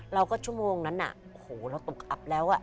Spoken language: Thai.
เราก็ชั่วโมงนั้นน่ะโหเราตกอับแล้วอ่ะ